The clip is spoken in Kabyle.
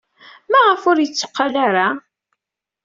Maɣef ur yetteqqal ara?